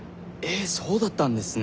えっそうだったんですね。